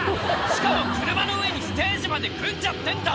しかも車の上にステージまで組んじゃってんだぜ！